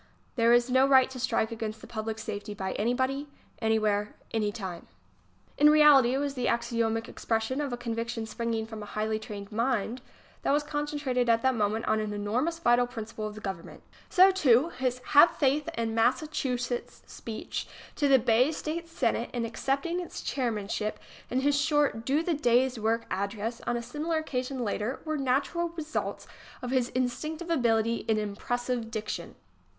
. There is no right to strike against the public safety by anybody, anyivhere, anytime." [ 19 ] m HAVE FAITH IN COOLIDGE! If eb m In reality it was the axiomatic expression of a conviction springing from a highly trained mind that was concentrated at that moment on an enor mously vital principle of government. So, too, his "Have Faith in Massachusetts" speech to the Bay State Senate, in accepting its chairmanship, and his short "Do the Day's Work" address on a similar occasion later, were natural re sults of his instinctive ability in impressive diction.